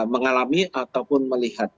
mengalami ataupun melihat